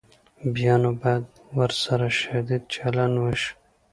بیا نو باید ورسره شدید چلند وشي.